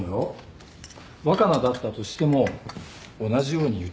若菜だったとしても同じように言ってたと思う。